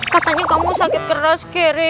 katanya kamu sakit keras kiri